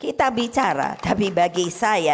kita bicara tapi bagi saya